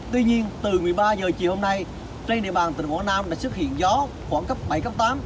tuy nhiên từ một mươi ba h chiều hôm nay trên địa bàn tỉnh quảng nam đã xuất hiện gió khoảng cấp bảy cấp tám